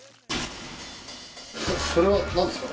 それは何ですか？